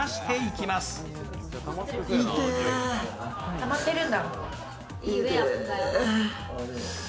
たまってるんだ。